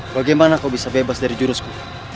bagaimana kau bisa bebas dari jurusku